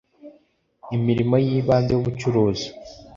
imirimo y ibanze y ubucuruzi